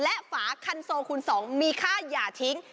และฝาคันโซคูณ๒มีค่าอย่าทิ้ง